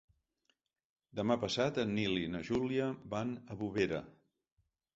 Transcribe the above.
Demà passat en Nil i na Júlia van a Bovera.